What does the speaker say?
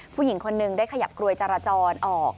ผู้หญิงคนหนึ่งได้ขยับกลวยจราจรออก